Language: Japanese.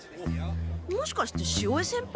もしかして潮江先輩？